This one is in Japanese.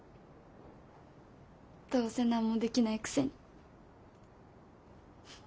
どうせ何もできないくせに。